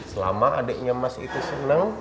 selama adeknya mas itu seneng